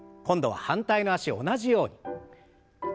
今度は反対の脚を同じように。